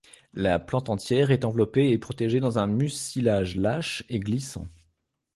La plante entière est enveloppée et protégée dans un mucilage lâche et glissant.